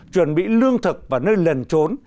chuẩn bị lương thực và nơi lần trốn